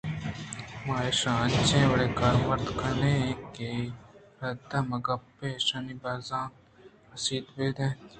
ما اشاں انچیں وڑے ءَ کارمرد کن ایں کہ رد مہ کپ ایں ءُ اشانی بزانت راست بہ بنت